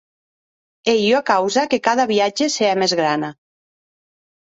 Ei ua causa que cada viatge se hè mès grana.